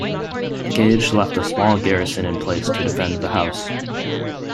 Gage left a small garrison in place to defend the house.